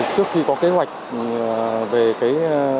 trước khi có kế hoạch về cái